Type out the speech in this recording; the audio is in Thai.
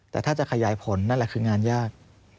แต่ถ้าจะขยายผลนั่นแหละคืองานยาก